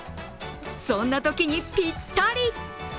そんなときにぴったり！